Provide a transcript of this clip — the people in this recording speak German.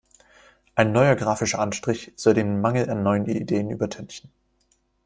Ein neuer grafischer Anstrich soll den Mangel an neuen Ideen übertünchen.